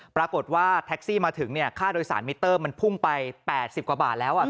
ปรากฏว่าแท็กซี่มาถึงค่าโดยสารมิเตอร์มันพุ่งไป๘๐กว่าบาทแล้ว